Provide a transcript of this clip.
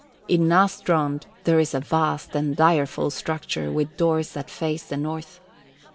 In Nastrond there is a vast and direful structure with doors that face the north.